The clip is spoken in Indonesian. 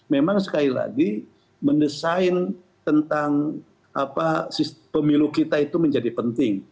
memang sekali lagi mendesain tentang pemilu kita itu menjadi penting